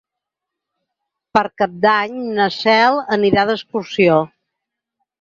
Per Cap d'Any na Cel anirà d'excursió.